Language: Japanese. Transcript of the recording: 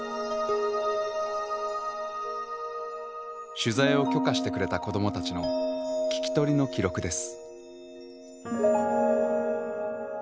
取材を許可してくれた子どもたちの聞き取りの記録です。